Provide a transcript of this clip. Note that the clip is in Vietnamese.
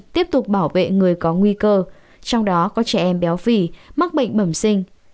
tiếp tục bảo vệ người có nguy cơ trong đó có trẻ em béo phì mắc bệnh bẩm sinh